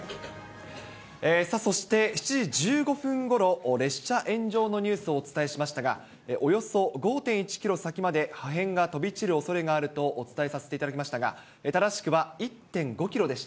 そして、７時１５分ごろ、列車炎上のニュースをお伝えしましたが、およそ５．１キロ先まで破片が飛び散るおそれがあるとお伝えさせていただきましたが、正しくは１．５キロでした。